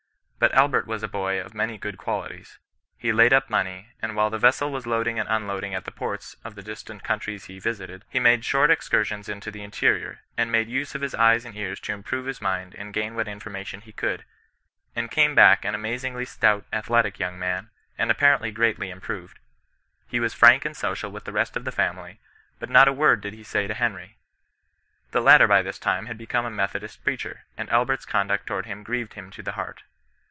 But Albert was a boy of many good qualities. He laid up money ; and while the vesssd was loading and unloading at the ports of the distant coimtries he visited, he made short excursions into the interior, and made use of his eyes and ears to improve his mind and gain what information he could, and came back an amazingly stout, athletic young man, and ap parently greatly improved. He was frank and social with the rest of the family, but not a word did he say to Henry. The latter bv this time had become a Methooist preacher, and Albert s conduct towards him grieved him to the heart.